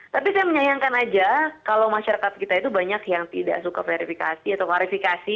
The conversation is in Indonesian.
tapi saya menyayangkan aja kalau masyarakat kita itu banyak yang tidak suka verifikasi atau klarifikasi